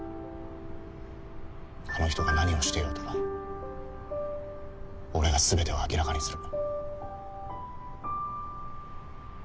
あの人が何をしていようと俺が全てを明らかにする。